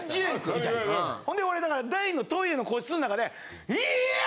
ほんで俺だから大のトイレの個室ん中で。